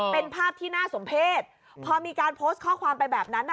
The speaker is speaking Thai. เป็นภาพที่น่าสมเพศพอมีการโพสต์ข้อความไปแบบนั้นอ่ะ